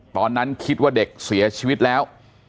ตอนนั้นคิดว่าเด็กเสียชีวิตแล้ว